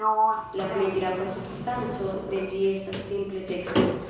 La plej grava substanco de ĝi estas simple teksto.